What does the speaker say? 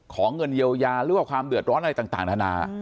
เงินเยียวยาหรือว่าความเดือดร้อนอะไรต่างนานา